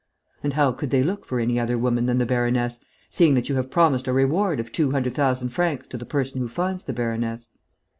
And how could they look for any other woman than the baroness, seeing that you have promised a reward of two hundred thousand francs to the person who finds the baroness?...